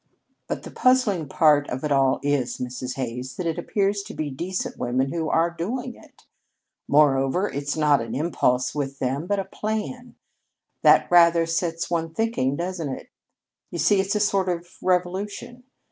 "But the puzzling part of it all is, Mrs. Hays, that it appears to be decent women who are doing it. Moreover, it's not an impulse with them but a plan. That rather sets one thinking, doesn't it? You see, it's a sort of revolution.